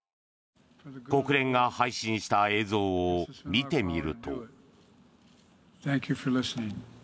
国連が配信した映像を見てみると。